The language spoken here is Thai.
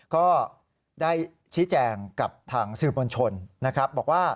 ก็ได้ชี้แจงกับทางสื่อมวลชนนะครับบอกว่า